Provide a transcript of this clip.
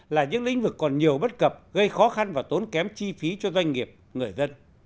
là những lĩnh vực còn nhiều bất cập gây khó khăn và tốn kém chi phí cho doanh nghiệp người dân